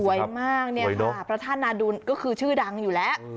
มากเนี่ยค่ะพระธาตุนาดุลก็คือชื่อดังอยู่แล้ว